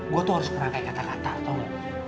gue tuh harus kerangkai kata kata tau gak